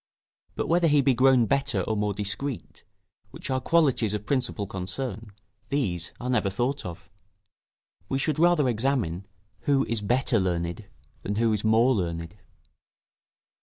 But whether he be grown better or more discreet, which are qualities of principal concern, these are never thought of. We should rather examine, who is better learned, than who is more learned.